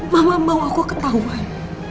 mama mau aku ketahuan